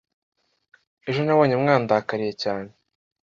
ejo nabonye mwandakariye cyane